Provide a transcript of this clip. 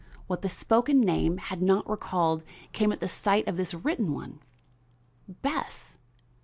What the spoken name had not recalled came at the sight of this written one. Bess!